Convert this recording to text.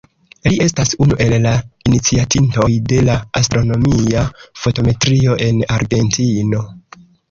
Li estas unu el la iniciatintoj de la astronomia fotometrio en Argentino.